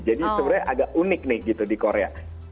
jadi sebenarnya agak unik nih gitu di korea